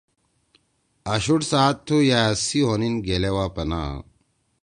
آشُوڑ ساعت تُھو یأ سی ہونیِن گیلے وا پناہ